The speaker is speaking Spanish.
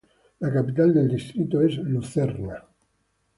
La capital del distrito es Lucerna.